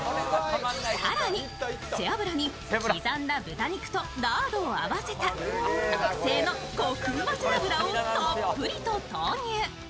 更に背脂に刻んだ豚肉とラードを合わせた特製のコクうま背脂をたっぷりと投入。